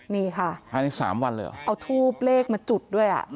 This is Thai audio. นี่ค่ะภายใน๓วันเลยเหรอเอาทูบเลขมาจุดด้วย